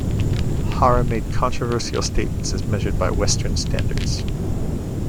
Hara made controversial statements as measured by western standards.